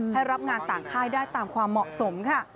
รับงานต่างค่ายได้ตามความเหมาะสมค่ะ